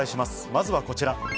まずはこちら。